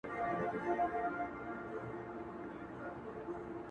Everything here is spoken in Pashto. دغه خبرې کړه” نور بس راپسې وبه ژاړې”